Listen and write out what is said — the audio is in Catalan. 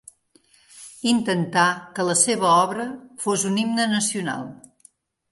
Intentà que la seva obra fos un himne nacional.